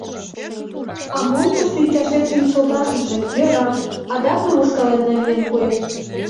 «А мом тушто ӱчашен шинчылташыже, йӧра, адак мый ушкалем намиен пуэм.